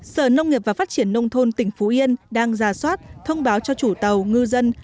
sở nông nghiệp và phát triển nông thôn tỉnh phú yên đang ra soát thông báo cho chủ tàu ngư dân